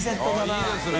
あっいいですね。